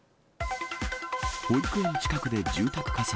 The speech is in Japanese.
保育園近くで住宅火災。